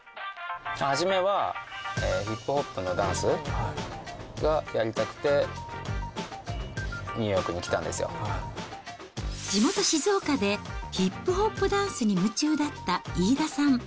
初めは、ヒップホップのダンスがやりたくて、地元、静岡でヒップホップダンスに夢中だった飯田さん。